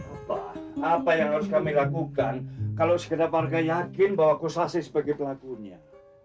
apa yang harus kami lakukan kalau sekedar warga yakin bahwa kosasi sebagai pelakunya